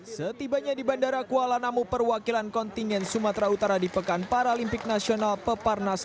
setibanya di bandara kuala namu perwakilan kontingen sumatera utara di pekan paralimpik nasional peparnas